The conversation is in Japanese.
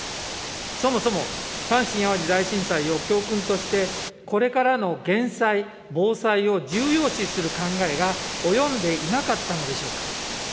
そもそも阪神・淡路大震災を教訓として、これからの減災・防災を重要視する考えが及んでいなかったのでしょうか。